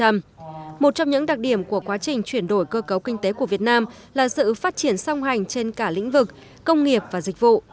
một trong những đặc điểm của quá trình chuyển đổi cơ cấu kinh tế của việt nam là sự phát triển song hành trên cả lĩnh vực công nghiệp và dịch vụ